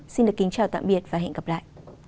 xin được kính chào tạm biệt và hẹn gặp lại